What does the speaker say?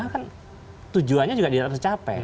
kan tujuannya juga tidak tercapai